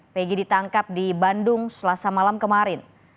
pg ditangkap di bandung selasa malam kemarin